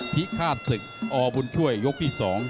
ฆาตศึกอบุญช่วยยกที่๒